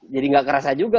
jadi gak kerasa juga